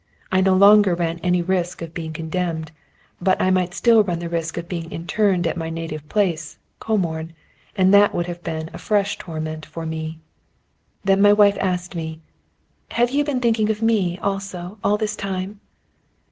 I no longer ran any risk of being condemned, but I might still run the risk of being interned at my native place, Comorn, and that would have been a fresh torment for me. Then my wife asked me: "Have you been thinking of me also all this time?"